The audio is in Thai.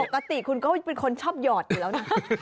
ปกติคุณก็เป็นคนชอบหยอดอยู่แล้วนะ